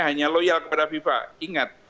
hanya loyal kepada fifa ingat